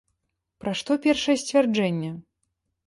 Пра што першае сцвярджэнне?